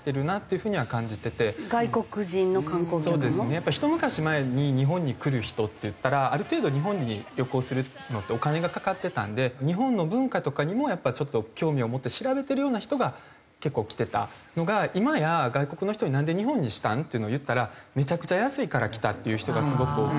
やっぱりひと昔前に日本に来る人っていったらある程度日本に旅行するのってお金がかかってたんで日本の文化とかにもやっぱりちょっと興味を持って調べてるような人が結構来てたのが今や外国の人に「なんで日本にしたん？」っていうのを言ったら「めちゃくちゃ安いから来た」っていう人がすごく多くて。